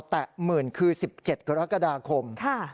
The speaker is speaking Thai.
แต่หมื่นคือ๑๗กรกฎาคม